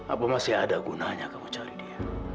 apa masih ada gunanya kamu cari dia